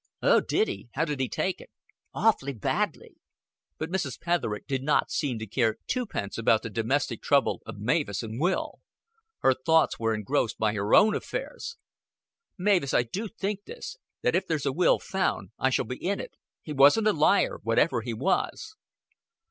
"Oh, did he? How did he take it?" "Awfully badly." But Mrs. Petherick did not seem to care twopence about the domestic trouble of Mavis and Will. Her thoughts were engrossed by her own affairs. "Mavis, I do think this: that if there's a will found, I shall be in it. He wasn't a liar, whatever he was."